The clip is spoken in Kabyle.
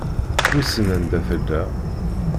Wissen anda tella.